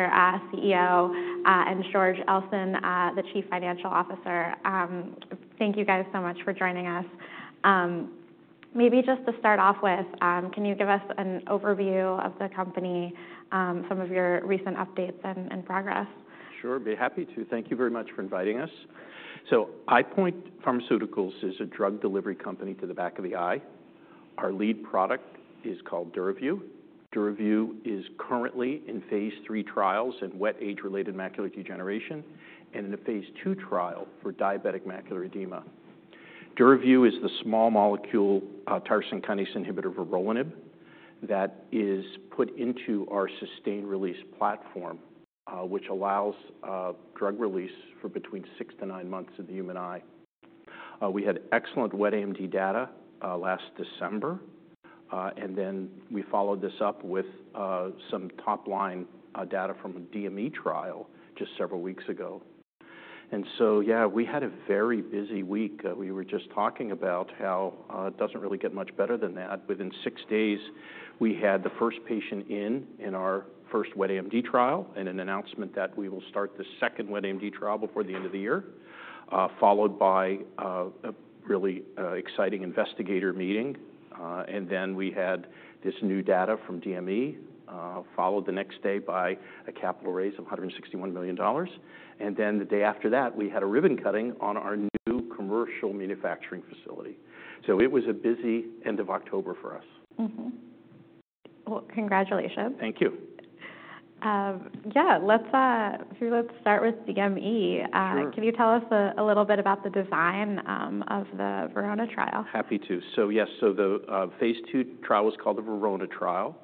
Our CEO, and George Elston, the Chief Financial Officer. Thank you guys so much for joining us. Maybe just to start off with, can you give us an overview of the company, some of your recent updates and progress? Sure, I'd be happy to. Thank you very much for inviting us. So, EyePoint Pharmaceuticals is a drug delivery company to the back of the eye. Our lead product is called DURAVYU. DURAVYU is currently in phase III trials in wet age-related macular degeneration and in a phase II trial for diabetic macular edema. DURAVYU is the small molecule, tyrosine kinase inhibitor, vorolanib that is put into our sustained release platform, which allows drug release for between six to nine months of the human eye. We had excellent wet AMD data last December, and then we followed this up with some top line data from a DME trial just several weeks ago. And so, yeah, we had a very busy week. We were just talking about how it doesn't really get much better than that. Within six days, we had the first patient in our first wet AMD trial and an announcement that we will start the second wet AMD trial before the end of the year, followed by a really exciting investigator meeting, and then we had this new data from DME, followed the next day by a capital raise of $161 million, and then the day after that, we had a ribbon cutting on our new commercial manufacturing facility, so it was a busy end of October for us. Mm-hmm. Well, congratulations. Thank you. Yeah, let's start with DME. Can you tell us a little bit about the design of the VERONA trial? Happy to. Yes, the phase II trial was called the VERONA trial.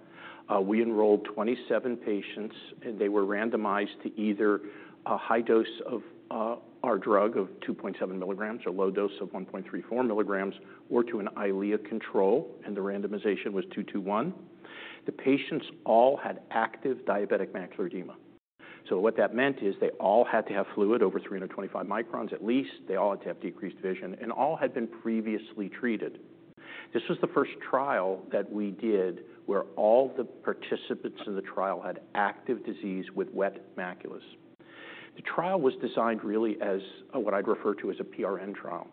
We enrolled 27 patients and they were randomized to either a high dose of our drug of 2.7 mg or low dose of 1.34 mg or to an Eylea control, and the randomization was 2:2:1. The patients all had active diabetic macular edema. So what that meant is they all had to have fluid over 325 microns at least. They all had to have decreased vision and all had been previously treated. This was the first trial that we did where all the participants in the trial had active disease with wet maculas. The trial was designed really as what I'd refer to as a PRN trial.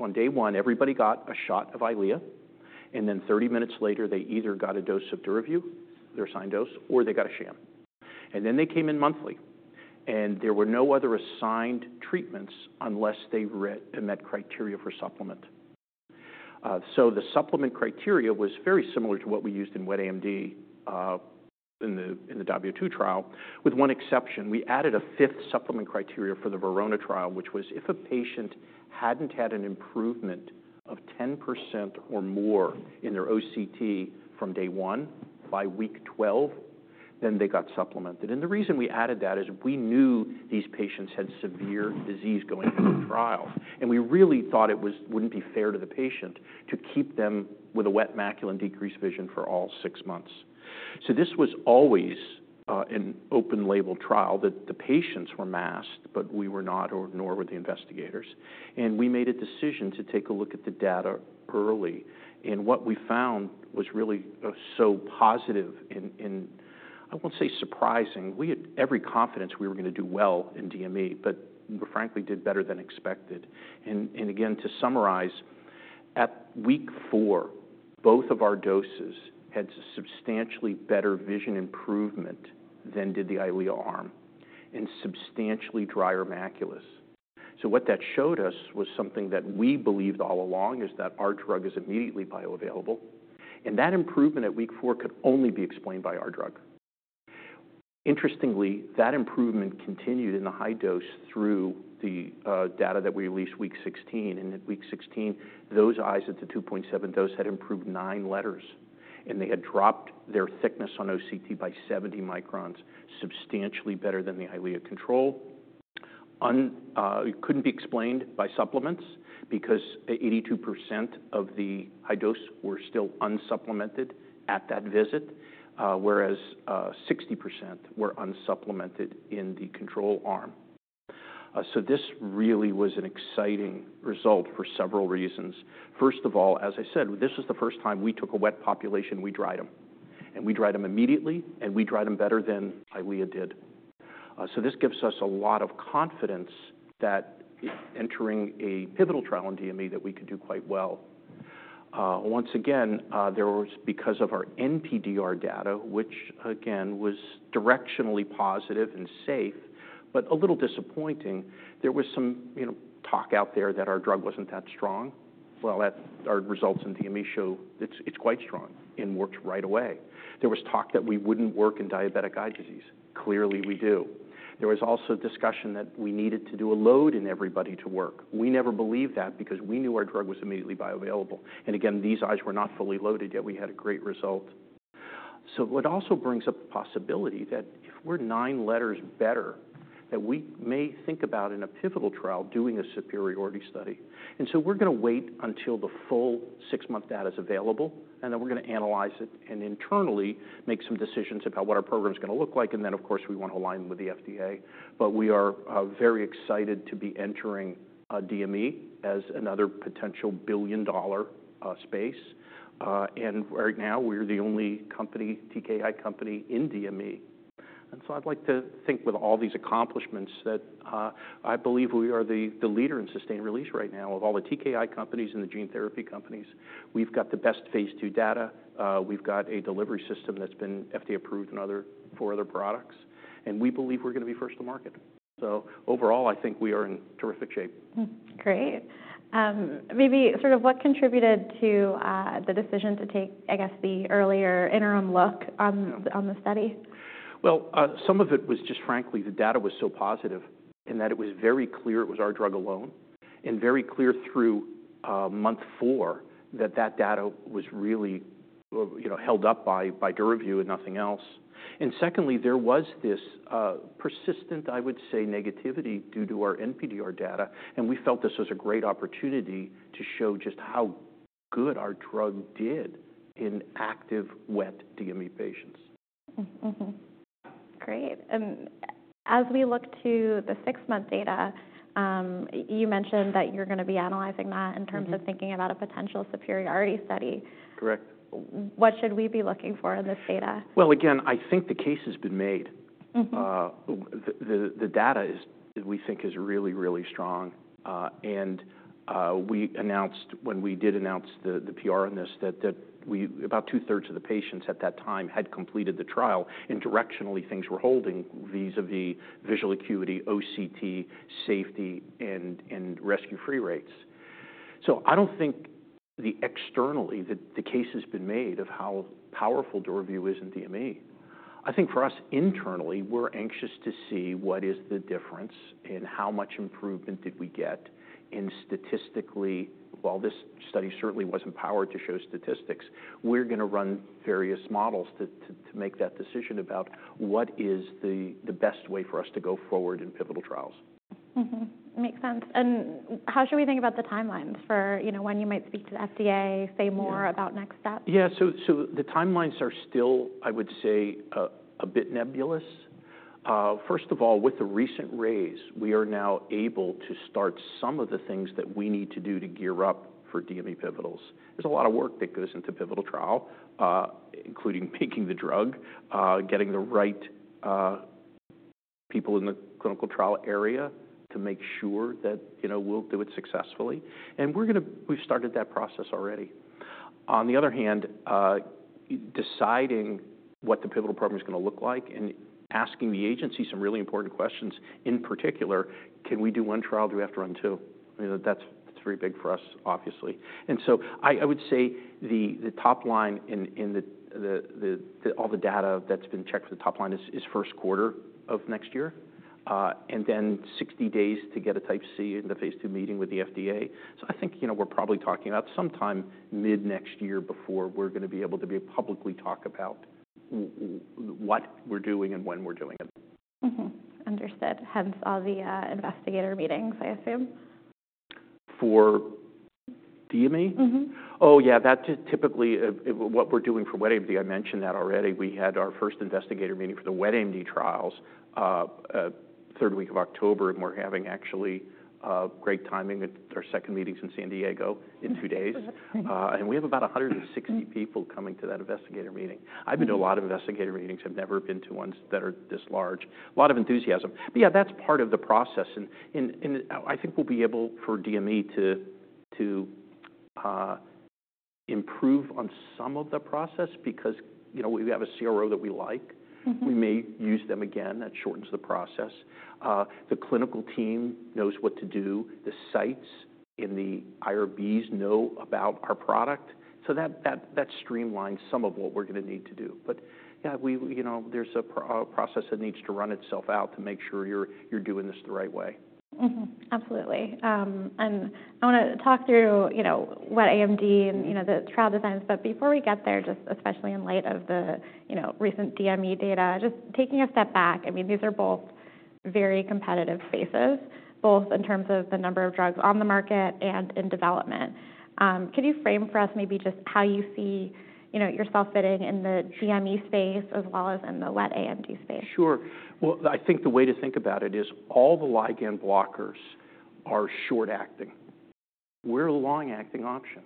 On day one, everybody got a shot of Eylea, and then 30 minutes later, they either got a dose of DURAVYU, their assigned dose, or they got a sham. Then they came in monthly, and there were no other assigned treatments unless they needed and met criteria for supplement. The supplement criteria was very similar to what we used in wet AMD, in the, in the DAVIO 2 trial, with one exception. We added a fifth supplement criteria for the VERONA trial, which was if a patient hadn't had an improvement of 10% or more in their OCT from day one by week 12, then they got supplemented. The reason we added that is we knew these patients had severe disease going through the trial, and we really thought it was wouldn't be fair to the patient to keep them with a wet macula and decreased vision for all six months. This was always an open label trial that the patients were masked, but we were not, or nor were the investigators. We made a decision to take a look at the data early. What we found was really so positive in, I won't say surprising. We had every confidence we were gonna do well in DME, but we frankly did better than expected. And again, to summarize, at week four, both of our doses had substantially better vision improvement than did the Eylea arm and substantially drier maculas. So what that showed us was something that we believed all along is that our drug is immediately bioavailable, and that improvement at week four could only be explained by our drug. Interestingly, that improvement continued in the high dose through the data that we released week 16. And at week 16, those eyes at the 2.7 mg dose had improved nine letters, and they had dropped their thickness on OCT by 70 microns, substantially better than the Eylea control. Couldn't be explained by supplements because 82% of the high dose were still unsupplemented at that visit, whereas 60% were unsupplemented in the control arm. So this really was an exciting result for several reasons. First of all, as I said, this was the first time we took a wet population, we dried them, and we dried them immediately, and we dried them better than Eylea did. So this gives us a lot of confidence that entering a pivotal trial in DME that we could do quite well. Once again, there was, because of our NPDR data, which again was directionally positive and safe, but a little disappointing, there was some, you know, talk out there that our drug wasn't that strong, well, that our results in DME show it's quite strong and worked right away. There was talk that we wouldn't work in diabetic eye disease. Clearly, we do. There was also discussion that we needed to do a load in everybody to work. We never believed that because we knew our drug was immediately bioavailable, and again, these eyes were not fully loaded yet. We had a great result. So it also brings up the possibility that if we're nine letters better, that we may think about in a pivotal trial doing a superiority study, and so we're gonna wait until the full six-month data's available, and then we're gonna analyze it and internally make some decisions about what our program's gonna look like, and then, of course, we wanna align with the FDA, but we are very excited to be entering DME as another potential billion-dollar space, and right now we're the only company, TKI company, in DME, and so I'd like to think with all these accomplishments that, I believe we are the leader in sustained release right now of all the TKI companies and the gene therapy companies. We've got the best phase II data. We've got a delivery system that's been FDA approved and four other products, and we believe we're gonna be first to market. So overall, I think we are in terrific shape. Great. Maybe sort of what contributed to the decision to take, I guess, the earlier interim look on the study? Some of it was just frankly, the data was so positive in that it was very clear it was our drug alone and very clear through month four that that data was really, you know, held up by DURAVYU and nothing else. Secondly, there was this persistent, I would say, negativity due to our NPDR data, and we felt this was a great opportunity to show just how good our drug did in active wet DME patients. Mm-hmm. Great. And as we look to the six-month data, you mentioned that you're gonna be analyzing that in terms of thinking about a potential superiority study. Correct. What should we be looking for in this data? Again, I think the case has been made. Mm-hmm. The data is, we think, is really, really strong. We announced when we did announce the PR on this that we about two-thirds of the patients at that time had completed the trial, and directionally things were holding vis-a-vis visual acuity, OCT safety, and rescue-free rates. So I don't think externally that the case has been made of how powerful DURAVYU is in DME. I think for us internally, we're anxious to see what is the difference and how much improvement did we get statistically. While this study certainly wasn't powered to show statistics, we're gonna run various models to make that decision about what is the best way for us to go forward in pivotal trials. Mm-hmm. Makes sense. And how should we think about the timelines for, you know, when you might speak to the FDA, say more about next steps? Yeah. So, so the timelines are still, I would say, a bit nebulous. First of all, with the recent raise, we are now able to start some of the things that we need to do to gear up for DME pivotals. There's a lot of work that goes into pivotal trial, including making the drug, getting the right people in the clinical trial area to make sure that, you know, we'll do it successfully. And we're gonna. We've started that process already. On the other hand, deciding what the pivotal program's gonna look like and asking the agency some really important questions. In particular, can we do one trial? Do we have to run two? I mean, that's, that's very big for us, obviously. I would say the top line, all the data that's been checked for the top line is first quarter of next year, and then 60 days to get a Type C meeting with the FDA. I think, you know, we're probably talking about sometime mid-next year before we're gonna be able to publicly talk about what we're doing and when we're doing it. Mm-hmm. Understood. Hence all the investigator meetings, I assume. For DME? Mm-hmm. Oh yeah, that typically, what we're doing for wet AMD, I mentioned that already. We had our first investigator meeting for the wet AMD trials, third week of October, and we're having actually, great timing at our second meetings in San Diego in two days. And we have about 160 people coming to that investigator meeting. I've been to a lot of investigator meetings. I've never been to ones that are this large. A lot of enthusiasm. But yeah, that's part of the process. And I think we'll be able for DME to improve on some of the process because, you know, we have a CRO that we like. Mm-hmm. We may use them again. That shortens the process. The clinical team knows what to do. The sites in the IRBs know about our product. So that streamlines some of what we're gonna need to do. But yeah, we, you know, there's a proper process that needs to run itself out to make sure you're doing this the right way. Mm-hmm. Absolutely, and I wanna talk through, you know, wet AMD and, you know, the trial designs. But before we get there, just especially in light of the, you know, recent DME data, just taking a step back, I mean, these are both very competitive spaces, both in terms of the number of drugs on the market and in development. Could you frame for us maybe just how you see, you know, yourself fitting in the DME space as well as in the wet AMD space? Sure. Well, I think the way to think about it is all the ligand blockers are short-acting. We're a long-acting option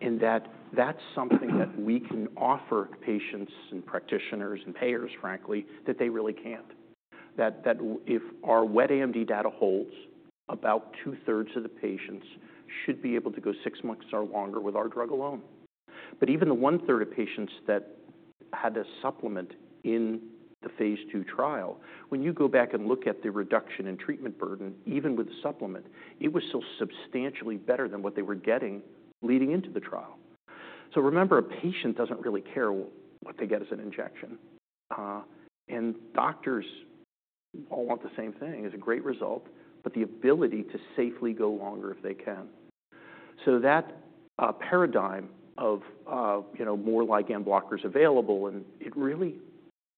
in that that's something that we can offer patients and practitioners and payers, frankly, that they really can't. That if our wet AMD data holds, about two-thirds of the patients should be able to go six months or longer with our drug alone. But even the one-third of patients that had a supplement in the phase II trial, when you go back and look at the reduction in treatment burden, even with the supplement, it was still substantially better than what they were getting leading into the trial. So remember, a patient doesn't really care what they get as an injection. And doctors all want the same thing. It's a great result, but the ability to safely go longer if they can. So that paradigm of, you know, more ligand blockers available, and it really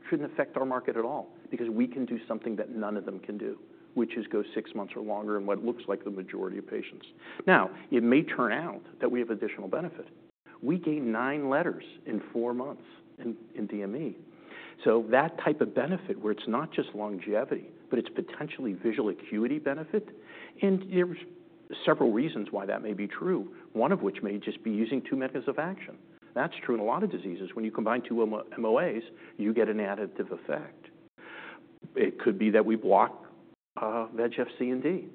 shouldn't affect our market at all because we can do something that none of them can do, which is go six months or longer in what looks like the majority of patients. Now, it may turn out that we have additional benefit. We gain nine letters in four months in DME. So that type of benefit where it's not just longevity, but it's potentially visual acuity benefit, and there's several reasons why that may be true, one of which may just be using two methods of action. That's true in a lot of diseases. When you combine two MOAs, you get an additive effect. It could be that we block VEGF-C and D,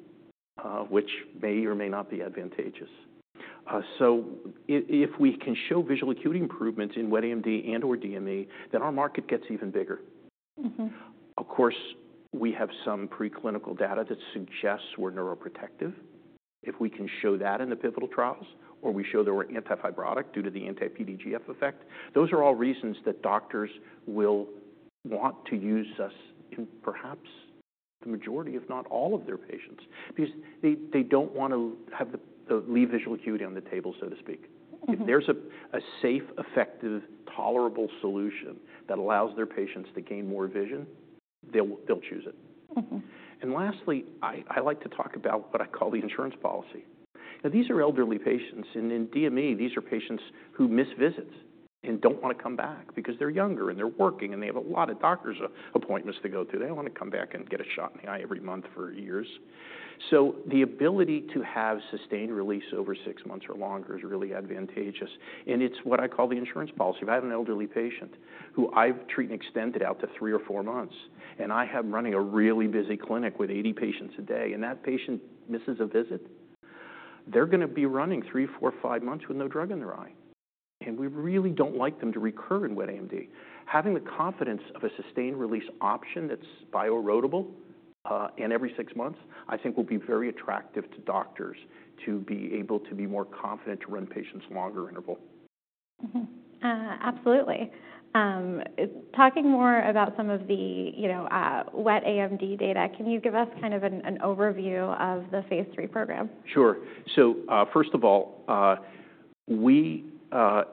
which may or may not be advantageous. If we can show visual acuity improvements in wet AMD and/or DME, then our market gets even bigger. Mm-hmm. Of course, we have some preclinical data that suggests we're neuroprotective if we can show that in the pivotal trials or we show that we're anti-fibrotic due to the anti-PDGF effect. Those are all reasons that doctors will want to use us in perhaps the majority, if not all of their patients because they, they don't wanna have the, the leave visual acuity on the table, so to speak. Mm-hmm. If there's a safe, effective, tolerable solution that allows their patients to gain more vision, they'll choose it. Mm-hmm. And lastly, I like to talk about what I call the insurance policy. Now, these are elderly patients, and in DME, these are patients who miss visits and don't wanna come back because they're younger and they're working and they have a lot of doctor's appointments to go through. They don't wanna come back and get a shot in the eye every month for years. So the ability to have sustained release over six months or longer is really advantageous. And it's what I call the insurance policy. If I have an elderly patient whose treatment I've extended out to three or four months, and I'm running a really busy clinic with 80 patients a day, and that patient misses a visit, they're gonna be running three, four, five months with no drug in their eye. And we really don't like them to recur in wet AMD. Having the confidence of a sustained release option that's bioerodible, and every six months, I think will be very attractive to doctors to be able to be more confident to run patients longer interval. Mm-hmm. Absolutely. Talking more about some of the, you know, wet AMD data, can you give us kind of an overview of the phase III program? Sure. So, first of all, we,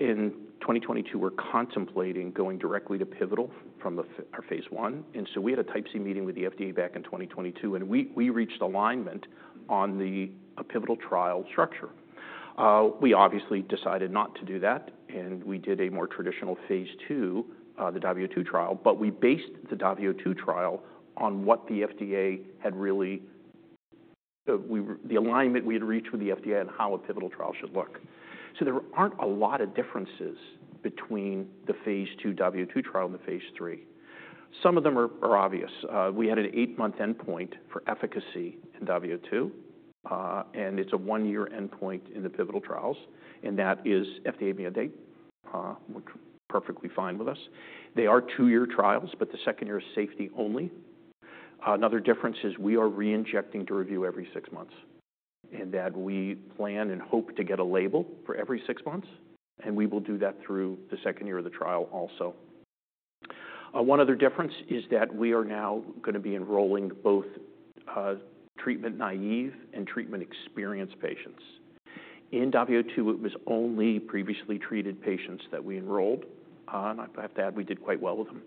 in 2022, were contemplating going directly to pivotal from our phase one. And so we had a Type C meeting with the FDA back in 2022, and we reached alignment on the pivotal trial structure. We obviously decided not to do that, and we did a more traditional phase II, the DAVIO 2 trial, but we based the DAVIO 2 trial on what the FDA had really, the alignment we had reached with the FDA on how a pivotal trial should look. So there aren't a lot of differences between the phase II DAVIO 2 trial and the phase III. Some of them are obvious. We had an eight-month endpoint for efficacy in DAVIO 2, and it's a one-year endpoint in the pivotal trials, and that is FDA mandate. We're perfectly fine with us. They are two-year trials, but the second year is safety only. Another difference is we are re-injecting DURAVYU every six months in that we plan and hope to get a label for every six months, and we will do that through the second year of the trial also. One other difference is that we are now gonna be enrolling both, treatment naive and treatment experienced patients. In DAVIO 2, it was only previously treated patients that we enrolled, and I have to add, we did quite well with them,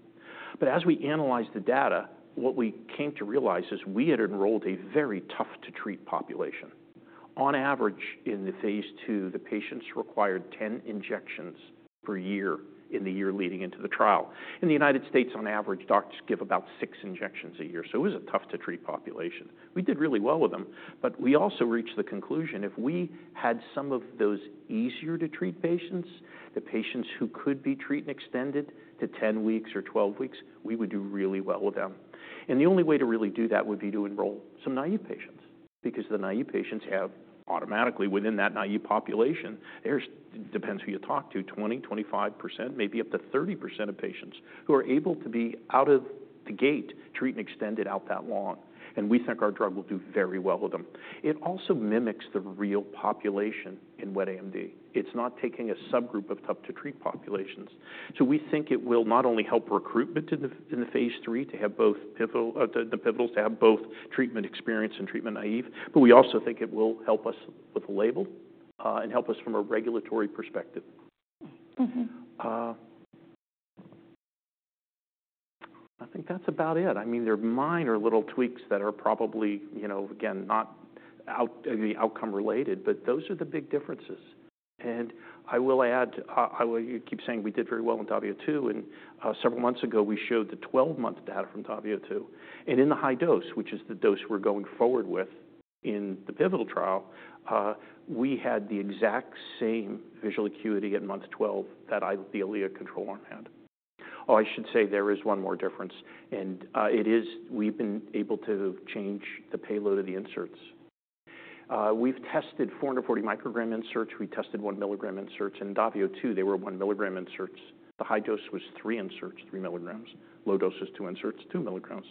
but as we analyzed the data, what we came to realize is we had enrolled a very tough-to-treat population. On average, in the phase II, the patients required 10 injections per year in the year leading into the trial. In the United States, on average, doctors give about six injections a year, so it was a tough-to-treat population. We did really well with them, but we also reached the conclusion if we had some of those easier-to-treat patients, the patients who could be treatment extended to 10 weeks or 12 weeks, we would do really well with them. And the only way to really do that would be to enroll some naive patients because the naive patients have automatically within that naive population, there's depends who you talk to, 20%, 25%, maybe up to 30% of patients who are able to be out of the gate treatment extended out that long. And we think our drug will do very well with them. It also mimics the real population in wet AMD. It's not taking a subgroup of tough-to-treat populations. We think it will not only help recruitment to the phase III to have both treatment experienced and treatment naive, but we also think it will help us with a label, and help us from a regulatory perspective. Mm-hmm. I think that's about it. I mean, there are minor little tweaks that are probably, you know, again, not outcome related, but those are the big differences, and I will add, I will keep saying we did very well in DAVIO 2, and several months ago, we showed the 12-month data from DAVIO 2. And in the high dose, which is the dose we're going forward with in the pivotal trial, we had the exact same visual acuity at month 12 that the Eylea control arm had. Oh, I should say there is one more difference, and it is we've been able to change the payload of the inserts. We've tested 440 microgram inserts. We tested 1 mg inserts. In DAVIO 2, they were 1 mg inserts. The high dose was three inserts, 3 mg. Low dose was two inserts, 2 mg.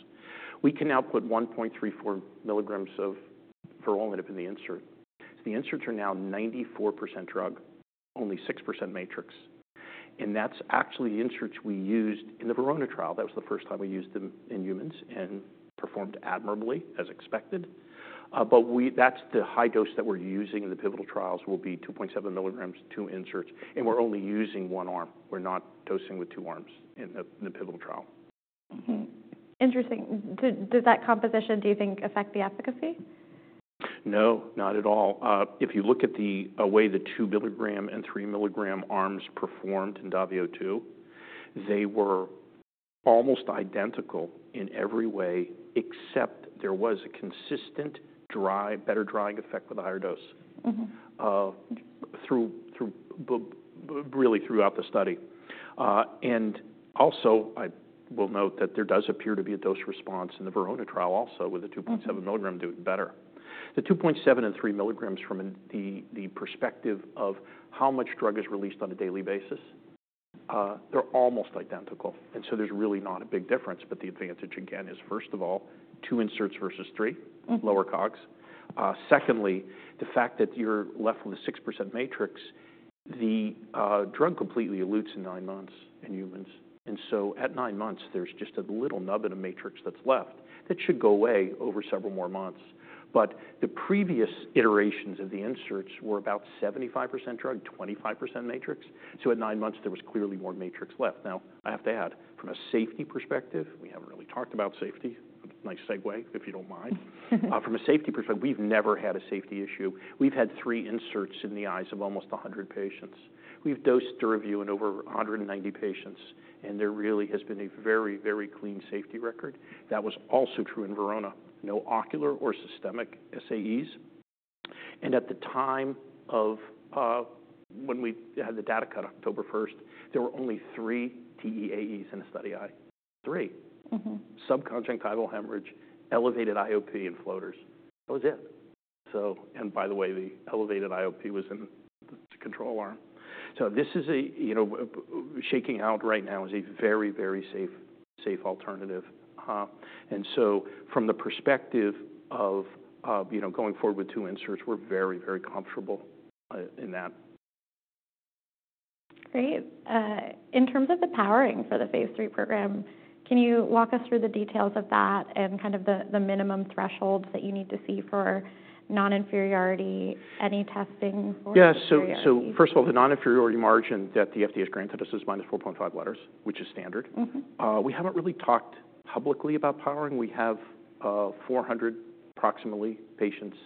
We can now put 1.34 mg of Vorolanib in the insert. So the inserts are now 94% drug, only 6% matrix. And that's actually the inserts we used in the VERONA trial. That was the first time we used them in humans and performed admirably as expected. But that's the high dose that we're using in the pivotal trials will be 2.7 mg, two inserts, and we're only using one arm. We're not dosing with two arms in the pivotal trial. Mm-hmm. Interesting. Does that composition, do you think, affect the efficacy? No, not at all. If you look at the way the 2 mg and 3 mg arms performed in DAVIO 2, they were almost identical in every way except there was a consistent dry better drying effect with a higher dose. Mm-hmm. through really throughout the study. And also, I will note that there does appear to be a dose response in the vorolanib trial also with the 2.7 mg doing better. The 2.7 mg and 3 mg from the perspective of how much drug is released on a daily basis, they're almost identical. And so there's really not a big difference. But the advantage, again, is first of all, two inserts versus three. Mm-hmm. Lower COGS. Secondly, the fact that you're left with a 6% matrix, the drug completely elutes in nine months in humans. And so at nine months, there's just a little nubbin of matrix that's left that should go away over several more months. But the previous iterations of the inserts were about 75% drug, 25% matrix. So at nine months, there was clearly more matrix left. Now, I have to add, from a safety perspective, we haven't really talked about safety. Nice segue, if you don't mind. From a safety perspective, we've never had a safety issue. We've had three inserts in the eyes of almost 100 patients. We've dosed DURAVYU in over 190 patients, and there really has been a very, very clean safety record. That was also true in vorolanib. No ocular or systemic SAEs. At the time of, when we had the data cut October 1st, there were only three TEAEs in the study eye. Three. Mm-hmm. Subconjunctival hemorrhage, elevated IOP, and floaters. That was it. So and by the way, the elevated IOP was in the control arm. So this is a, you know, shaking out right now is a very, very safe, safe alternative. And so from the perspective of, you know, going forward with two inserts, we're very, very comfortable in that. Great. In terms of the powering for the phase III program, can you walk us through the details of that and kind of the minimum thresholds that you need to see for non-inferiority, any testing for? First of all, the non-inferiority margin that the FDA has granted us is -4.5 letters, which is standard. Mm-hmm. We haven't really talked publicly about powering. We have approximately 400 patients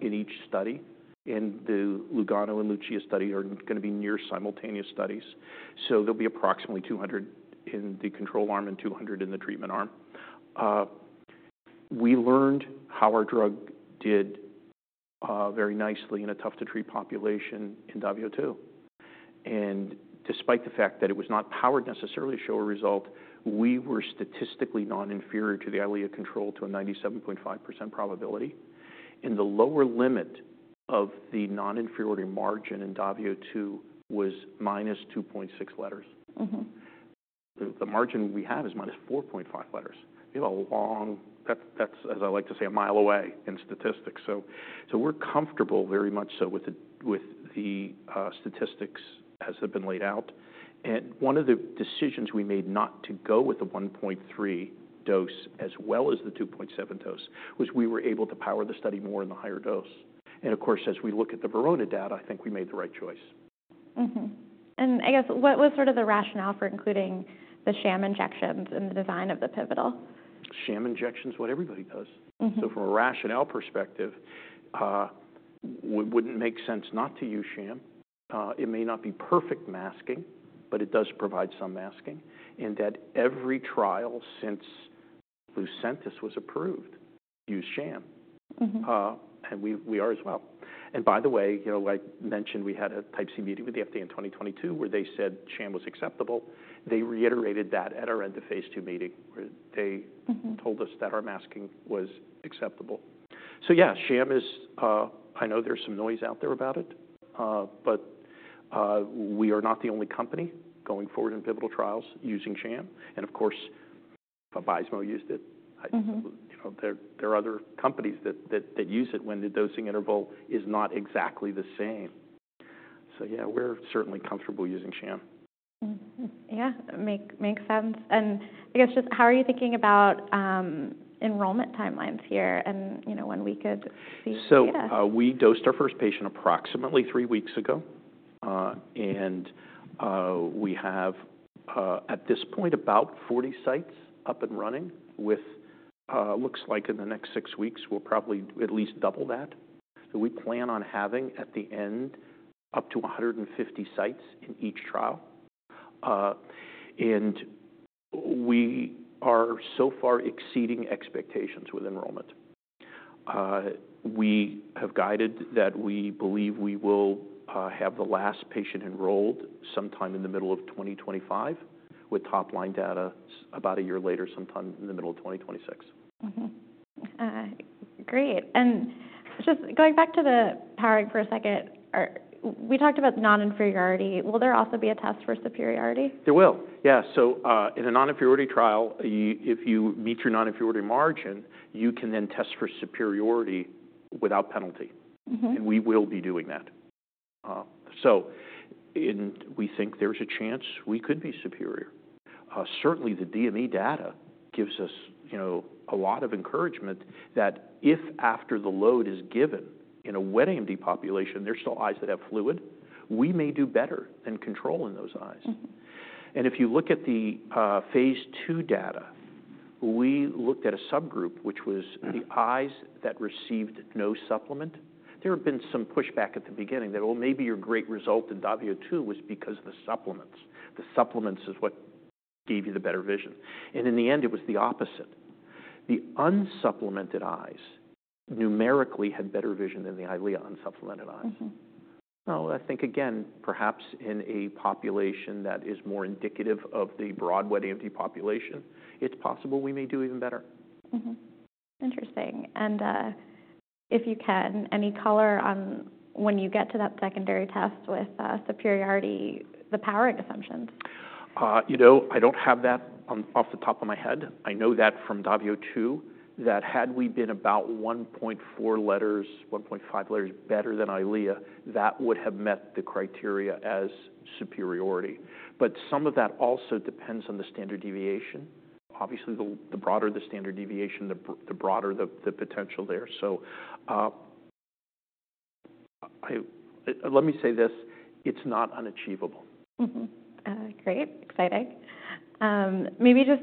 in each study. The LUGANO and LUCIA study are gonna be near simultaneous studies. There'll be approximately 200 in the control arm and 200 in the treatment arm. We learned how our drug did very nicely in a tough-to-treat population in DAVIO 2. Despite the fact that it was not powered necessarily to show a result, we were statistically non-inferior to the Eylea control to a 97.5% probability. The lower limit of the non-inferiority margin in DAVIO 2 was -2.6 letters. Mm-hmm. The margin we have is -4.5 letters. We have a long way that's as I like to say a mile away in statistics. So we're comfortable very much so with the statistics as they've been laid out. And one of the decisions we made not to go with the 1.3 mg dose as well as the 2.7 mg dose was we were able to power the study more in the higher dose. And of course, as we look at the vorolanib data, I think we made the right choice. Mm-hmm. And I guess, what was sort of the rationale for including the sham injections in the design of the pivotal? Sham injections, what everybody does. Mm-hmm. From a rationale perspective, wouldn't make sense not to use sham. It may not be perfect masking, but it does provide some masking. And that every trial since LUCENTIS was approved used sham. Mm-hmm. and we are as well. And by the way, you know, I mentioned we had a Type C meeting with the FDA in 2022 where they said sham was acceptable. They reiterated that at our end of phase II meeting where they. Mm-hmm. Told us that our masking was acceptable. So yeah, sham is, I know there's some noise out there about it, but, we are not the only company going forward in pivotal trials using sham. And of course, VABYSMO used it. Mm-hmm. You know, there are other companies that use it when the dosing interval is not exactly the same. So yeah, we're certainly comfortable using sham. Mm-hmm. Yeah. Makes sense. And I guess just how are you thinking about enrollment timelines here and, you know, when we could see data? So, we dosed our first patient approximately three weeks ago. And, we have, at this point, about 40 sites up and running with, looks like in the next six weeks, we'll probably at least double that. So we plan on having at the end up to 150 sites in each trial. And we are so far exceeding expectations with enrollment. We have guided that we believe we will have the last patient enrolled sometime in the middle of 2025 with top-line data about a year later sometime in the middle of 2026. Mm-hmm. Great. And just going back to the powering for a second, we talked about non-inferiority. Will there also be a test for superiority? There will. Yeah. So, in a non-inferiority trial, if you meet your non-inferiority margin, you can then test for superiority without penalty. Mm-hmm. We will be doing that. So we think there's a chance we could be superior. Certainly the DME data gives us, you know, a lot of encouragement that if after the load is given in a wet AMD population, there's still eyes that have fluid, we may do better than control in those eyes. Mm-hmm. If you look at the phase II data, we looked at a subgroup which was the eyes that received no supplement. There had been some pushback at the beginning that, well, maybe your great result in DAVIO 2 was because of the supplements. The supplements is what gave you the better vision. In the end, it was the opposite. The unsupplemented eyes numerically had better vision than the Eylea unsupplemented eyes. Mm-hmm. I think again, perhaps in a population that is more indicative of the broad wet AMD population, it's possible we may do even better. Mm-hmm. Interesting. And if you can, any color on when you get to that secondary test with superiority, the powering assumptions? You know, I don't have that off the top of my head. I know that from DAVIO 2 that had we been about 1.4 letters, 1.5 letters better than Eylea, that would have met the criteria as superiority. But some of that also depends on the standard deviation. Obviously, the broader the standard deviation, the broader the potential there. So, let me say this, it's not unachievable. Mm-hmm. Great. Exciting. Maybe just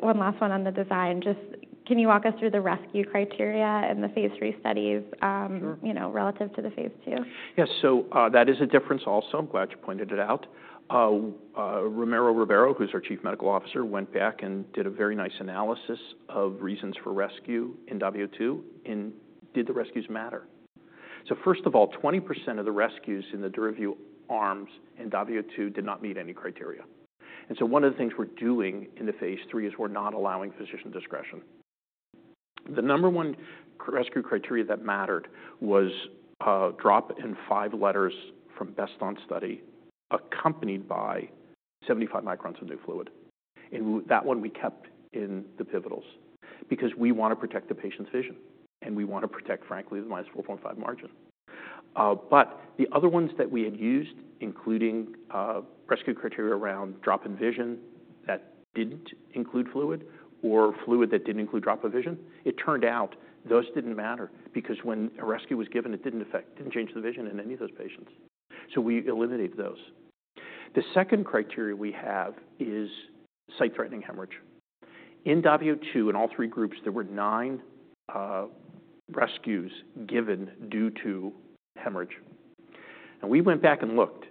one last one on the design. Just can you walk us through the rescue criteria in the phase III studies? Sure. You know, relative to the phase II? Yeah. So, that is a difference also. I'm glad you pointed it out. Ramiro Ribeiro, who's our Chief Medical Officer, went back and did a very nice analysis of reasons for rescue in DAVIO 2 and did the rescues matter. So first of all, 20% of the rescues in the DURAVYU arms in DAVIO 2 did not meet any criteria. And so one of the things we're doing in the phase III is we're not allowing physician discretion. The number one rescue criteria that mattered was, drop in five letters from best on study accompanied by 75 microns of new fluid. And with that one we kept in the pivotals because we wanna protect the patient's vision and we wanna protect, frankly, the minus 4.5 margin. but the other ones that we had used, including rescue criteria around drop in vision that didn't include fluid or fluid that didn't include drop of vision, it turned out those didn't matter because when a rescue was given, it didn't affect, didn't change the vision in any of those patients, so we eliminated those. The second criterion we have is sight-threatening hemorrhage. In DAVIO 2, in all three groups, there were nine rescues given due to hemorrhage. And we went back and looked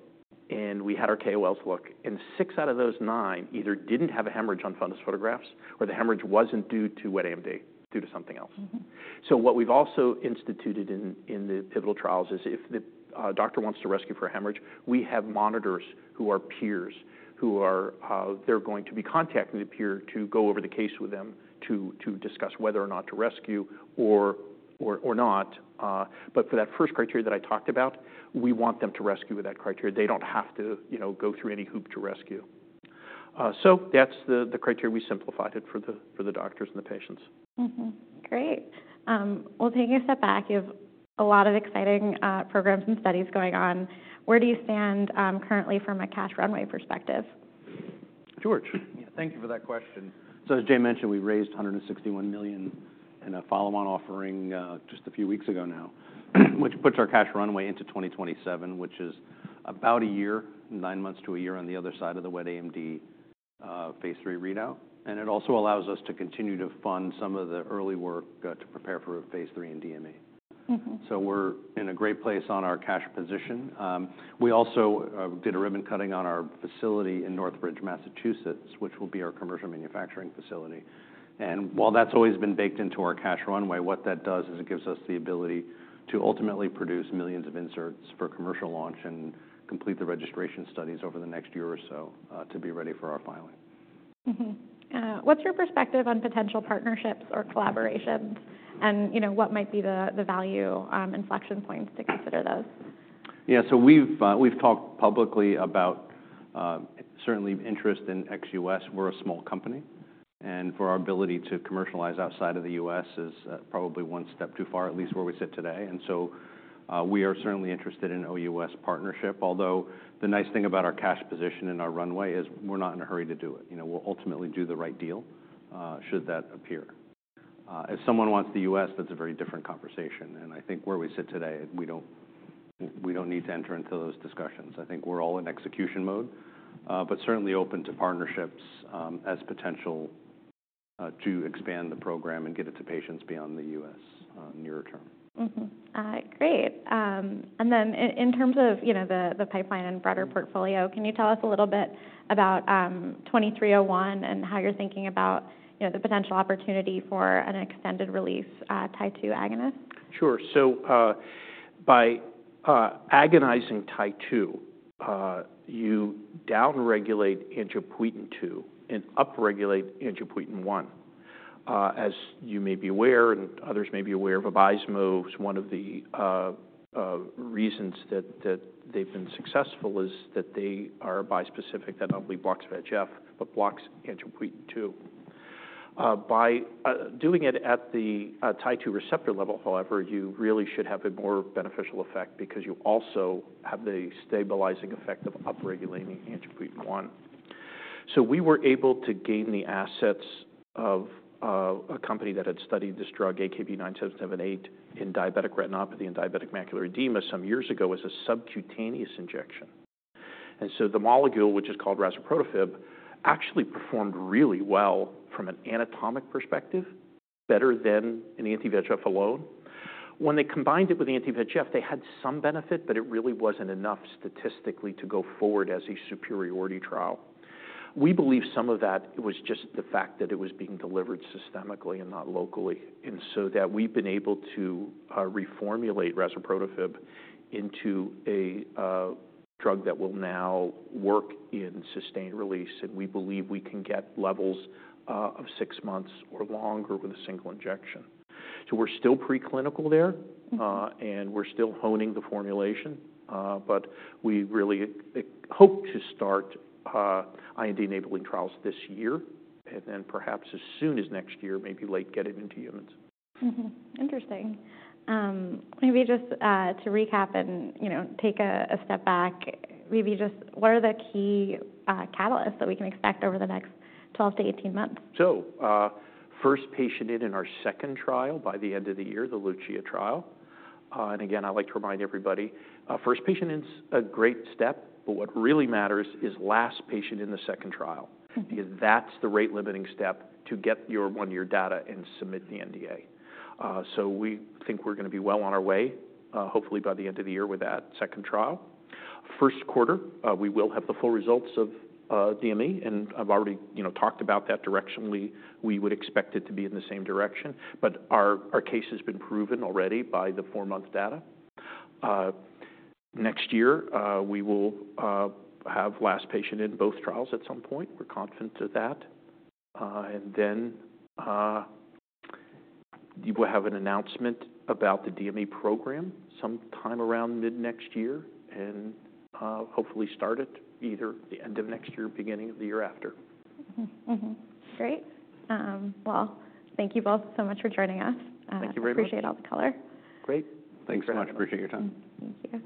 and we had our KOLs look, and six out of those nine either didn't have a hemorrhage on fundus photographs or the hemorrhage wasn't due to wet AMD, due to something else. Mm-hmm. So what we've also instituted in the pivotal trials is if the doctor wants to rescue for a hemorrhage, we have monitors who are peers, they're going to be contacting the peer to go over the case with them to discuss whether or not to rescue or not. But for that first criteria that I talked about, we want them to rescue with that criteria. They don't have to, you know, go through any hoop to rescue. So that's the criteria. We simplified it for the doctors and the patients. Great. Well, taking a step back, you have a lot of exciting programs and studies going on. Where do you stand currently from a cash runway perspective? Yeah. Thank you for that question. So as Jay mentioned, we raised $161 million in a follow-on offering, just a few weeks ago now, which puts our cash runway into 2027, which is about a year, nine months to a year on the other side of the wet AMD phase III readout. It also allows us to continue to fund some of the early work to prepare for phase III in DME. Mm-hmm. So we're in a great place on our cash position. We also did a ribbon cutting on our facility in Northbridge, Massachusetts, which will be our commercial manufacturing facility. And while that's always been baked into our cash runway, what that does is it gives us the ability to ultimately produce millions of inserts for commercial launch and complete the registration studies over the next year or so, to be ready for our filing. What's your perspective on potential partnerships or collaborations and, you know, what might be the value, inflection points to consider those? Yeah. So we've talked publicly about certainly interest in XUS. We're a small company and for our ability to commercialize outside of the U.S. is probably one step too far, at least where we sit today. We are certainly interested in OUS partnership, although the nice thing about our cash position and our runway is we're not in a hurry to do it. You know, we'll ultimately do the right deal, should that appear. If someone wants the U.S., that's a very different conversation. I think where we sit today, we don't need to enter into those discussions. I think we're all in execution mode, but certainly open to partnerships, as potential, to expand the program and get it to patients beyond the U.S., nearer-term. Mm-hmm. Great. And then in terms of, you know, the pipeline and broader portfolio, can you tell us a little bit about 2301 and how you're thinking about, you know, the potential opportunity for an extended release Tie-2 agonist? Sure. So, by agonizing Tie-2, you downregulate Angiopoietin-2 and upregulate Angiopoietin-1. As you may be aware and others may be aware of, VABYSMO is one of the reasons that they've been successful is that they are bispecific, that not only blocks VEGF but blocks Angiopoietin-2. By doing it at the Tie-2 receptor level, however, you really should have a more beneficial effect because you also have the stabilizing effect of upregulating Angiopoietin-1. So we were able to gain the assets of a company that had studied this drug, AKB-9778, in diabetic retinopathy and diabetic macular edema some years ago as a subcutaneous injection. And so the molecule, which is called razuprotafib, actually performed really well from an anatomic perspective, better than an anti-VEGF alone. When they combined it with anti-VEGF, they had some benefit, but it really wasn't enough statistically to go forward as a superiority trial. We believe some of that was just the fact that it was being delivered systemically and not locally, and so that we've been able to reformulate razuprotafib into a drug that will now work in sustained release, and we believe we can get levels of six months or longer with a single injection, so we're still preclinical there. Mm-hmm. And we're still honing the formulation. But we really hope to start IND-enabling trials this year and then perhaps as soon as next year, maybe late, get it into humans. Mm-hmm. Interesting. Maybe just to recap and, you know, take a step back. Maybe just what are the key catalysts that we can expect over the next 12-18 months? So, first patient in our second trial by the end of the year, the LUCIA trial, and again, I'd like to remind everybody, first patient in's a great step, but what really matters is last patient in the second trial. Mm-hmm. Because that's the rate-limiting step to get your one-year data and submit the NDA. So we think we're gonna be well on our way, hopefully by the end of the year with that second trial. First quarter, we will have the full results of DME, and I've already, you know, talked about that directionally. We would expect it to be in the same direction, but our case has been proven already by the four-month data. Next year, we will have last patient in both trials at some point. We're confident of that, and then we'll have an announcement about the DME program sometime around mid-next year and hopefully start it either the end of next year or beginning of the year after. Mm-hmm. Mm-hmm. Great. Well, thank you both so much for joining us. Thank you very much. Appreciate all the color. Great. Thanks so much. Very much. Appreciate your time. Thank you.